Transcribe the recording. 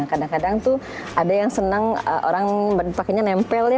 kadang kadang tuh ada yang senang orang pakainya nempel ya